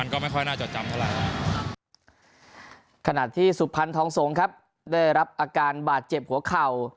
ขนาดที่สุพรรณทองสงศ์ครับได้รับอาการบาดเจ็บหัวเข่า